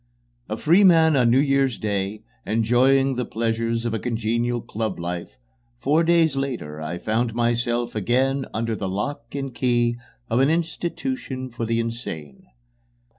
A free man on New Year's Day, enjoying the pleasures of a congenial club life, four days later I found myself again under the lock and key of an institution for the insane.